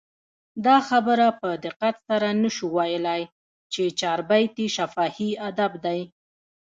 دا خبره په دقت سره نه سو ویلي، چي چاربیتې شفاهي ادب دئ.